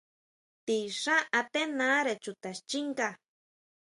Ti xán atenare chuta xchinga.